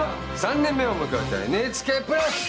３年目を迎えたＮＨＫプラス！